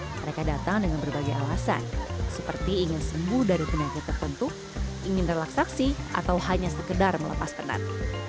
mereka datang dengan berbagai alasan seperti ingin sembuh dari penyakit tertentu ingin relaksasi atau hanya sekedar melepas penat